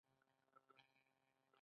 جلسه د پریکړو ځای دی